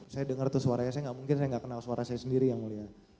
saya dengar itu suaranya saya gak mungkin gak kenal suara saya sendiri ya mulia